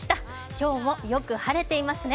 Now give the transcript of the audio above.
今日もよく晴れていますね。